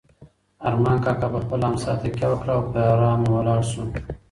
ارمان کاکا په خپله امسا تکیه وکړه او په ارامه ولاړ شو.